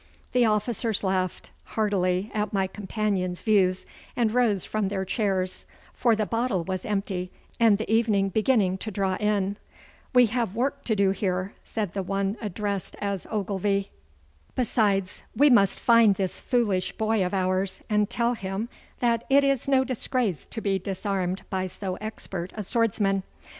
The officers laughed heartily at my companion's views, and rose from their chairs, for the bottle was empty and the evening beginning to draw in. 'We have work to do here,' said the one addressed as Ogilvy. 'Besides, we must find this foolish boy of ours, and tell him that it is no disgrace to be disarmed by so expert a swordsman.